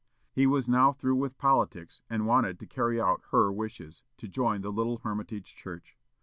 He was now through with politics, and wanted to carry out her wishes, to join the little Hermitage church.